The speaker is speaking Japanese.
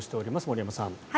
森山さん。